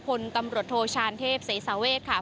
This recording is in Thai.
พลตำรวจโทชานเทพเสสาเวทค่ะ